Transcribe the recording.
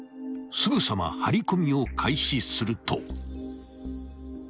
［すぐさま張り込みを開始すると］